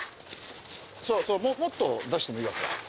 そうそうもっと出してもいいわけ。